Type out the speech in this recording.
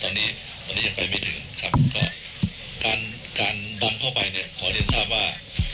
ตอนนี้ตอนนี้ยังไปไม่ถึงครับก็การการดำเข้าไปเนี่ยขอเรียนทราบว่า